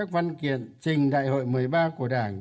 hơn hai năm trình đại hội một mươi ba của đảng